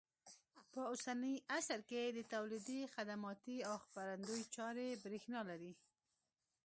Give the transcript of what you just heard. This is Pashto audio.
په اوسني عصر کې د تولیدي، خدماتي او خپرندوی چارې برېښنا لري.